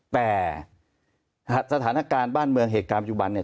แต่สถานการณ์บ้านเมืองเหตุการณ์ปัจจุบันเนี่ย